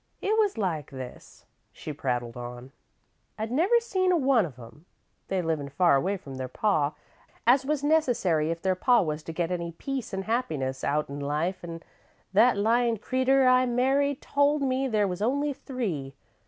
"It was like this," she prattled on. "I'd never seen a one of 'em, they livin' far away from their pa, as was necessary if their pa was to get any peace an' happiness out 'n life, an' that lyin' creeter I married told me there was only three.